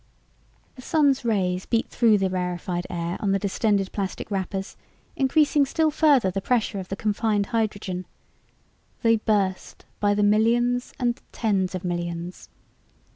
The Sun's rays beat through the rarified air on the distended plastic wrappers, increasing still further the pressure of the confined hydrogen. They burst by the millions and tens of millions.